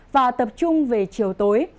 và tập trung về chiều tối